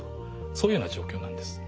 そういうような状況なんです。